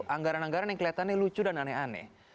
anggaran anggaran yang kelihatannya lucu dan aneh aneh